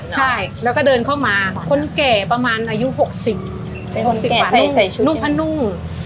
ใช่แล้วก็เดินเข้ามาคนแก่ประมาณอายุ๖๐ประมาณ๖๐ป่ะนุ่มพะนุ่ม